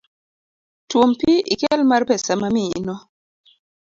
Tuom pi ikel mar pesa mamiyino